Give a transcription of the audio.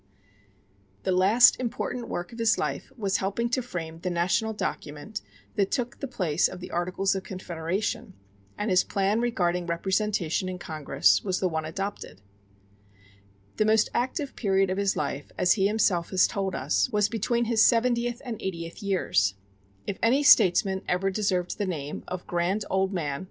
The last important work of his life was helping to frame the national document that took the place of the Articles of Confederation; and his plan regarding representation in Congress was the one adopted. The most active period of his life, as he himself has told us, was between his seventieth and his eightieth years. If any statesman ever deserved the name of "grand old man," it certainly was Benjamin Franklin.